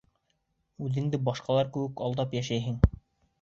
Үҙеңде, башҡалар кеүек, алдап йәшәйһең.